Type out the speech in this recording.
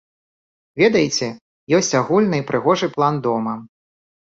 Ведаеце, ёсць агульны прыгожы план дома.